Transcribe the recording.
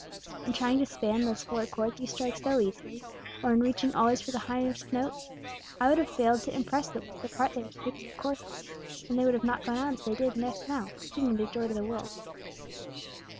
In trying to span those fuller chords you strike so easily, or in reaching always for the highest notes, I would have failed to impress them with the part they are to take in the choruses, and they would not have gone out as they did just now, singing their joy to the world."